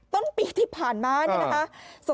ต้นปีที่ผ่านมาเนี่ยนะคะ